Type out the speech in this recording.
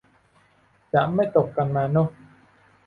จะไม่ตกกันมาเนอะ